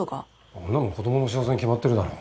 あんなの子供の仕業に決まってるだろ。